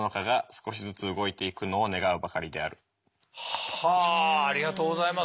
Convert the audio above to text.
はあありがとうございます。